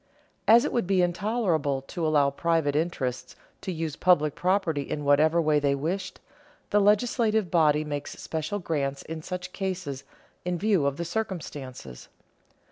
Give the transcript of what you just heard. As it would be intolerable to allow private interests to use public property in whatever way they wished, the legislative body makes special grants in such cases in view of the circumstances.